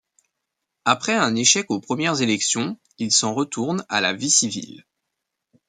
Après un échec aux premières élections, il s'en retourne à la vie civile.